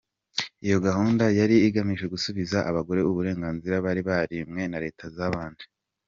Iyo gahunda yari igamije gusubiza abagore uburenganzira bari barimwe na Leta zabanje.